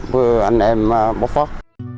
vừa anh em bốc phát